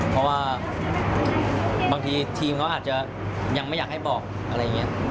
เพราะว่าบางทีทีมเขาอาจจะยังไม่อยากให้บอกอะไรอย่างนี้